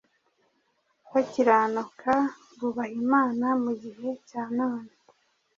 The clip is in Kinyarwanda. bakiranuka, bubaha Imana mu gihe cya none.”